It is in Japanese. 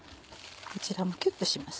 こちらもキュってします。